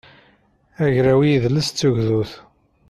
agraw i yidles d tugdut